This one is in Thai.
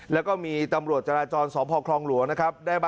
แล้วก็มีตำรวจจราจรสพคลองหลวงนะครับ